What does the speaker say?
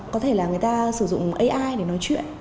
có thể là người ta sử dụng ai để nói chuyện